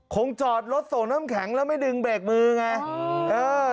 คงจอดรถส่งน้ำแข็งแล้วไม่ดึงเบรกมือไง